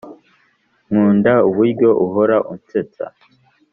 nkunda uburyo uhora unsetsa